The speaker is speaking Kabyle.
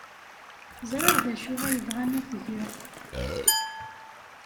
Ẓriɣ d acu ay bɣan ad t-geɣ.